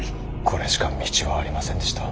これしか道はありませんでした。